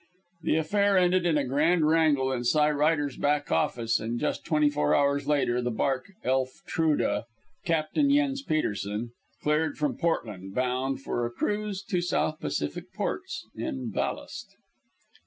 The affair ended in a grand wrangle in Cy Rider's back office, and just twenty four hours later the bark Elftruda, Captain Jens Petersen, cleared from Portland, bound for "a cruise to South Pacific ports in ballast."